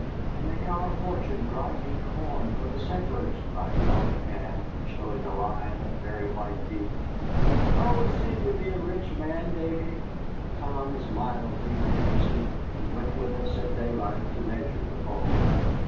"And make our fortune grinding corn for the settlers," cried Polly Ann, showing a line of very white teeth. "I always said ye'd be a rich man, Davy." Tom was mildly interested, and went with us at daylight to measure the fall.